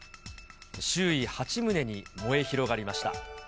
周囲８棟に燃え広がりました。